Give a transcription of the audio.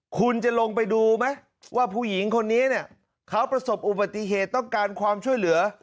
คุณจะลงไปดูไหมว่าผู้หญิงคนนี้เนี่ยเขาประสบอุบัติเหตุต้องการความช่วยเหลือ